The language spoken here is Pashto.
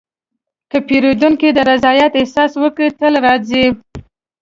که پیرودونکی د رضایت احساس وکړي، تل راځي.